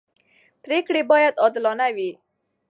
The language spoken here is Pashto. پرېکړې باید عادلانه وي